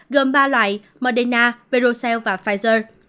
gồm ba loại moderna virocell và pfizer